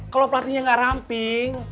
kalau pelatihnya nggak ramping